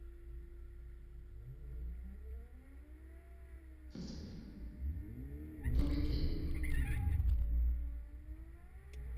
ক্ষমতাসীন প্রার্থীরা তখনকার ইসলামপন্থী ও বিরোধী দলগুলোকে পরাজিত করে ক্ষমতায় আসে।